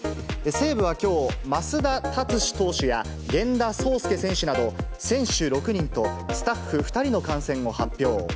西武はきょう、増田達至投手や源田壮亮選手など、選手６人とスタッフ２人の感染を発表。